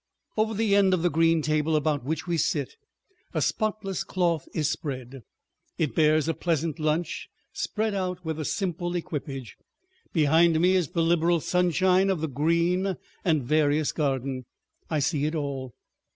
Over the end of the green table about which we sit, a spotless cloth is spread, it bears a pleasant lunch spread out with a simple equipage. Behind me is the liberal sunshine of the green and various garden. I see it all.